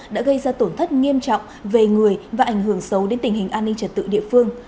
đã gây ra tổn thất nghiêm trọng về người và ảnh hưởng sâu đến tình hình an ninh trật tự địa phương